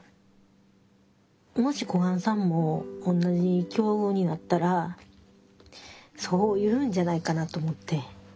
もし小雁さんもおんなじ境遇になったらそう言うんじゃないかなと思って。